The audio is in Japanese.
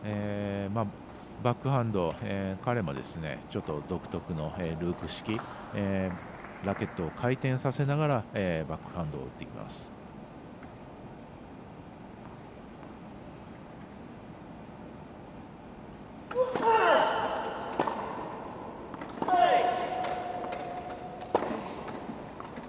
バックハンド彼も、ちょっと独特のループ式ラケットを回転させながらバックハンド打ってきます。